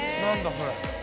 それ。